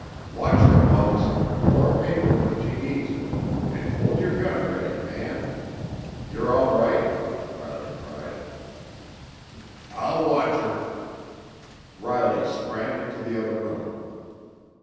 "Watch her, Muggs—more paper when she needs it—and hold your gun ready, man! You're all right?" Riley cried. "I'll watch 'er!" Riley sprang into the other room.